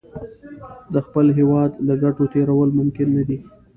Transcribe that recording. د خپل هېواد له ګټو تېرول ممکن نه دي.